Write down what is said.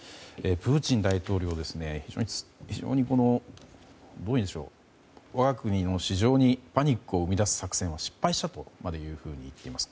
プーチン大統領、我が国の市場にパニックを生み出す作戦は失敗したとまで言っています。